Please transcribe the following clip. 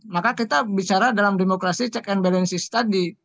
maka kita bicara dalam demokrasi check and balances tadi